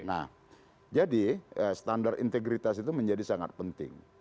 nah jadi standar integritas itu menjadi sangat penting